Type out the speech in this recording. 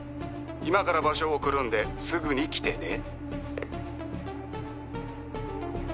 「今から場所を送るんですぐに来てね」